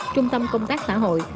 trung tâm công tác xã hội